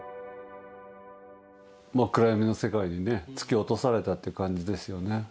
真っ暗闇の世界にね突き落とされたっていう感じですよね。